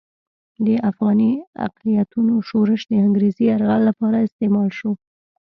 د افغاني اقلیتونو شورش د انګریزي یرغل لپاره استعمال شو.